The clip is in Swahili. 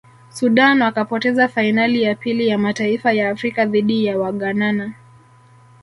sudan wakapoteza fainali ya pili ya mataifa ya afrika dhidi ya waghnana